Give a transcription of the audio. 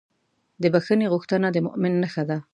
د بښنې غوښتنه د مؤمن نښه ده.